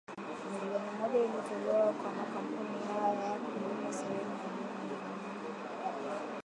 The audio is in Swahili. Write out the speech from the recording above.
Milioni moja ilitolewa kwa makampuni hayo kulipa sehemu ya deni hilo